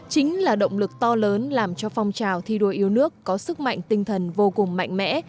chính là động lực to lớn làm cho phong trào thi đua yêu nước có sức mạnh tinh thần vô cùng mạnh mẽ